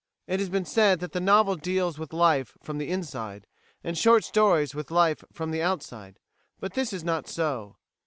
"[155:A] It has been said that the novel deals with life from the inside, and short stories with life from the outside; but this is not so.